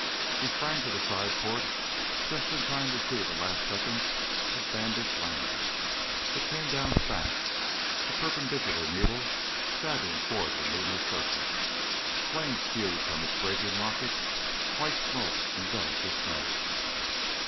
He sprang to the side port just in time to see the last seconds of Bandit's landing. It came down fast, a perpendicular needle stabbing toward the lunar surface. Flame spewed from its braking rockets; white smoke enveloped its nose.